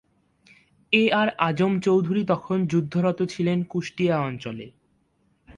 এ R Azam Chowdhury তখন যুদ্ধরত ছিলেন কুষ্টিয়া অঞ্চলে।